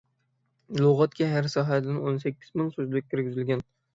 لۇغەتكە ھەر ساھەدىن ئون سەككىز مىڭ سۆزلۈك كىرگۈزۈلگەن.